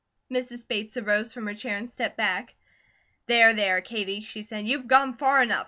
Mrs. Bates arose from her chair, and stepped back. "There, there, Katie!" she said. "You've gone far enough.